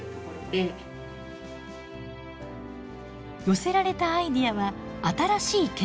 寄せられたアイデアは新しい健康器具。